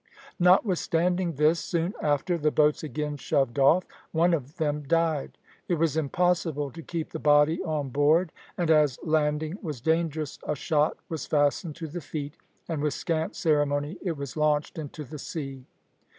Notwithstanding this, soon after the boats again shoved off, one of them died. It was impossible to keep the body on board, and as landing was dangerous, a shot was fastened to the feet, and with scant ceremony it was launched into the sea.